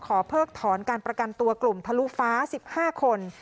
เพิกถอนการประกันตัวกลุ่มทะลุฟ้า๑๕คน